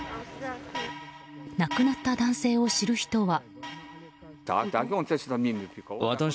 亡くなった男性を知る人は。